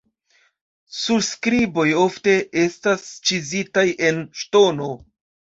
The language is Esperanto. Surskriboj ofte estas ĉizitaj en ŝtono.